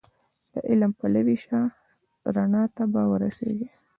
د علم پلوی شه رڼا ته به ورسېږې